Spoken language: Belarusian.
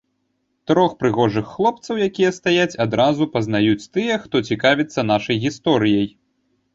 Трох прыгожых хлопцаў, якія стаяць, адразу пазнаюць тыя, хто цікавіцца нашай гісторыяй.